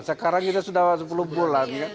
sekarang kita sudah sepuluh bulan